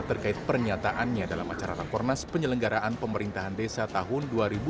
terkait pernyataannya dalam acara takornas penyelenggaraan pemerintahan desa tahun dua ribu sembilan belas